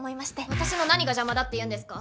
私の何が邪魔だっていうんですか？